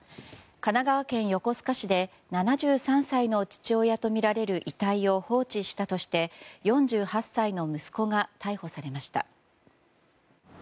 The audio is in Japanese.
神奈川県横須賀市で７３歳の父親とみられる遺体を放置したとして４８歳の息子が逮捕されました。